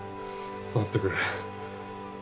待ってくれ。